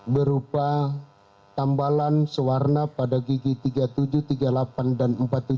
berupa tambalan sewarna pada gigi tiga puluh tujuh tiga puluh delapan dan empat puluh tujuh